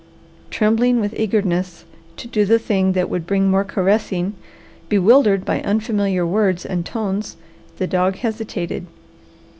Trembling with eagerness to do the thing that would bring more caressing, bewildered by unfamiliar words and tones, the dog hesitated.